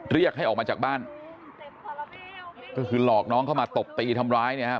เรียกให้ออกมาจากบ้านก็คือหลอกน้องเข้ามาตบตีทำร้ายเนี่ยครับ